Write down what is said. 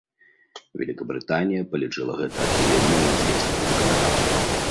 Вялікабрытанія палічыла гэта адхіленнем ад дзейснага заканадаўства.